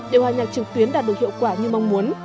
để hòa nhạc trực tuyến đạt được hiệu quả như mong muốn